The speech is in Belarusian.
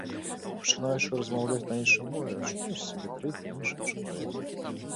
Пачынаючы размаўляць на іншай мове, адчуваеш сябе крыху іншым чалавекам.